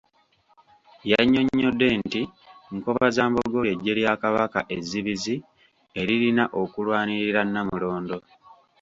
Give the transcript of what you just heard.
Yannyonnyodde nti Nkobazambogo ly'eggye lya Kabaka ezzibizi eririna okulwanirira Nnamulondo